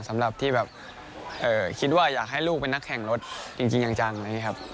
สำหรับที่แบบคิดว่าอยากให้ลูกเป็นนักแข่งรถจริงจังนะครับ